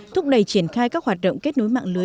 thúc đẩy triển khai các hoạt động kết nối với các cơ quan